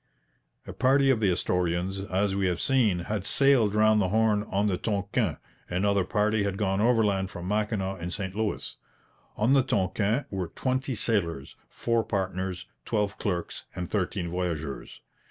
A party of the Astorians, as we have seen, had sailed round the Horn on the Tonquin; another party had gone overland from Mackinaw and St Louis. On the Tonquin were twenty sailors, four partners, twelve clerks, and thirteen voyageurs.